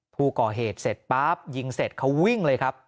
ผู้ก่อเหตุเสร็จป๊าบยิงเสร็จเขาวิ่งเลยครับ